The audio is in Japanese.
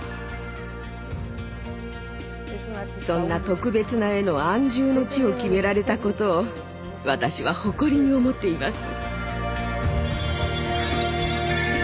そんな特別な絵の安住の地を決められたことを私は誇りに思っています。